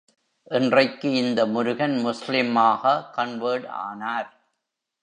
என்றைக்கு இந்த முருகன் முஸ்லிம் ஆக கன்வெர்ட் ஆனார்?